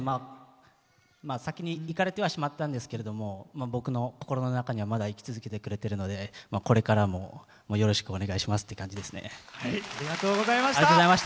先に逝かれてはしまったんですけど僕の心の中にはまだ生き続けてくれてるのでこれからもよろしくお願いしますっていう感じですね。